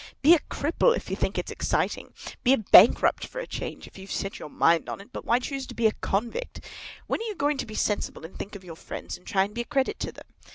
Be a cripple, if you think it's exciting; be a bankrupt, for a change, if you've set your mind on it: but why choose to be a convict? When are you going to be sensible, and think of your friends, and try and be a credit to them?